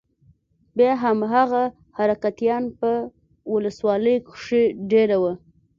بيا هماغه حرکتيان په ولسوالۍ کښې دېره وو.